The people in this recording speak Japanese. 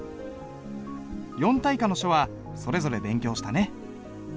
四大家の書はそれぞれ勉強したね。